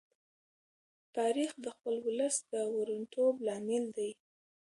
تاریخ د خپل ولس د وروڼتوب لامل دی.